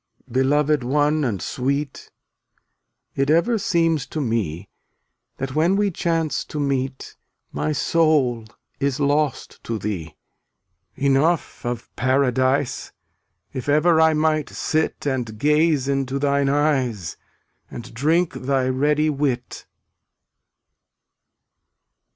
AVfl£f Beloved one and sweet, It ever seems to me eung t/ That when we chance to meet My soul is lost to thee. Enough of paradise! If ever I might sit And gaze into those eyes And drink thy ready wit.